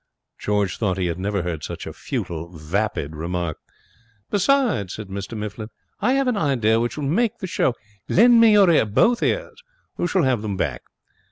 George thought he had never heard such a futile, vapid remark. 'Besides,' said Mr Mifflin, 'I have an idea which will make the show. Lend me your ear both ears. You shall have them back.